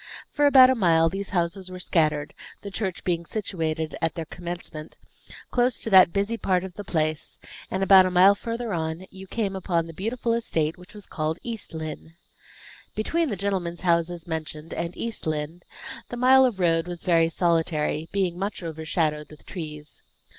For about a mile these houses were scattered, the church being situated at their commencement, close to that busy part of the place, and about a mile further on you came upon the beautiful estate which was called East Lynne. Between the gentlemen's houses mentioned and East Lynne, the mile of road was very solitary, being much overshadowed with trees.